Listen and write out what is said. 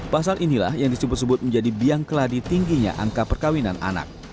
pasal inilah yang disebut sebut menjadi biang keladi tingginya angka perkawinan anak